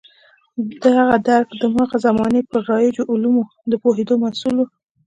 دغه درک د هماغه زمانې پر رایجو علومو د پوهېدو محصول و.